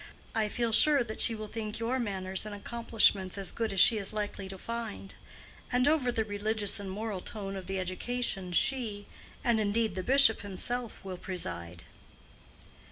I feel sure that she will think your manners and accomplishments as good as she is likely to find; and over the religious and moral tone of the education she, and indeed the bishop himself, will preside."